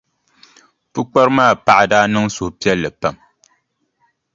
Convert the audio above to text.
Pukpara maa paɣa daa niŋ suhupiɛlli pam.